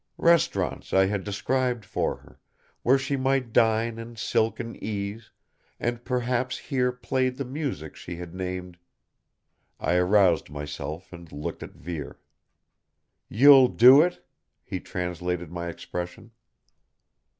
Restaurants I had described for her, where she might dine in silken ease and perhaps hear played the music she had named I aroused myself and looked at Vere. "You'll do it?" he translated my expression.